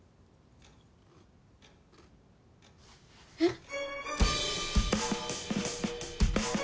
えっ？